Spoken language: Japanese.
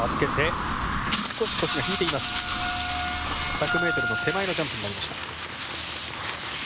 １００ｍの手前のジャンプになりました。